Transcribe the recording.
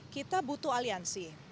kita butuh aliansi